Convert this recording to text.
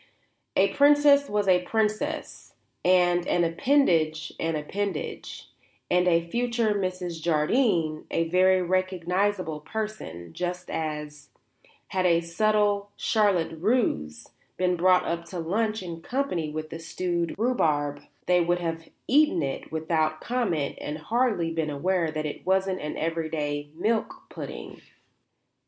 A princess was a princess, and an appendage an appendage, and a future Mrs. Jardine a very recognizable person; just as, had a subtle charlotte russe been brought up to lunch in company with the stewed rhubarb they would have eaten it without comment and hardly been aware that it wasn't an everyday milk pudding.